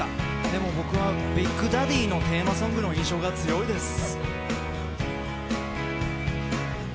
でも僕はビッグダディのテーマソングの印象が強いです。